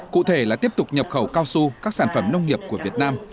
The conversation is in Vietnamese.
cụ thể là tiếp tục nhập khẩu cao su các sản phẩm nông nghiệp của việt nam